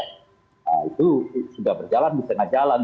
nah itu sudah berjalan sudah tidak jalan